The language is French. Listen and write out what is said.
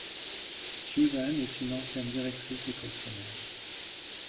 Susan est une ancienne directrice d'école primaire.